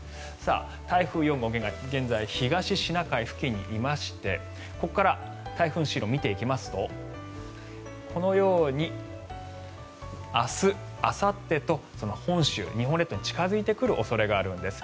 台風４号現在、東シナ海付近にいましてここから台風の進路を見ていきますとこのように明日あさってと本州、日本列島に近付いてくる恐れがあるんです。